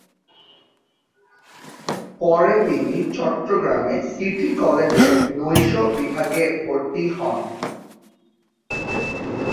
পরে তিনি চট্টগ্রামে সিটি কলেজে নৈশ বিভাগে ভর্তি হন।